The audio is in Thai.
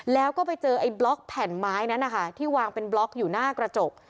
แล้วก็ไปเจอไอ้บล็อกแผ่นไม้นั้นนะคะที่วางเป็นบล็อกอยู่หน้ากระจก